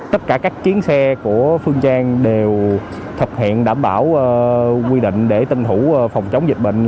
tất cả các chiến xe của phương trang đều thực hiện đảm bảo quy định để tân thủ phòng chống dịch bệnh